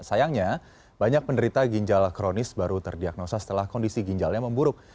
sayangnya banyak penderita ginjal kronis baru terdiagnosa setelah kondisi ginjalnya memburuk